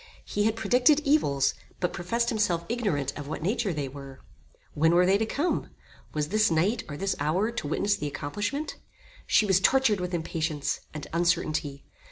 He had predicted evils, but professed himself ignorant of what nature they were. When were they to come? Was this night, or this hour to witness the accomplishment? She was tortured with impatience, and uncertainty.